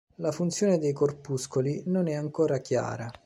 La funzione dei corpuscoli non è ancora chiara.